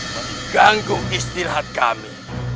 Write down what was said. kami mengganggu istirahat kami